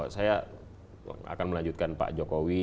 saya akan melanjutkan pak jokowi